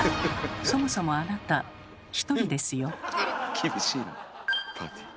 そもそもあなた１人ですよ。え！